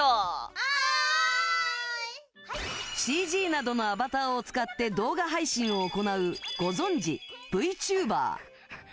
ＣＧなどのアバターを使って動画配信を行うご存じ、ＶＴｕｂｅｒ。